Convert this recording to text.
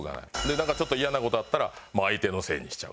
なんかちょっと嫌な事あったら相手のせいにしちゃうとかね。